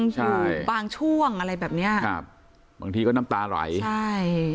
ใช่บางช่วงอะไรแบบเนี้ยครับบางทีก็น้ำตาไหลใช่